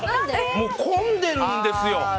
混んでるんですよ！